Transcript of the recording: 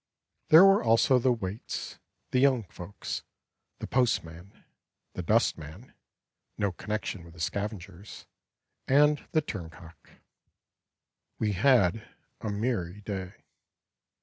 There were also the waits, The young folks, The postman, The dustman (No connection with the scavengers), And the turncock. We had a merry day.